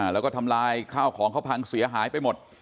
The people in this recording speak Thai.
แล้วก็ทำลายข้าวของเขาพังเสียหายไปหมด